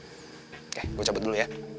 oke gue cabut dulu ya